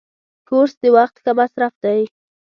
کورس د وخت ښه مصرف دی.